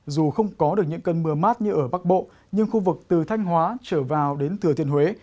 dù không có được những cơn mưa mát như ở bắc bộ nhưng khu vực từ thanh hóa trở vào đến thừa thiên huế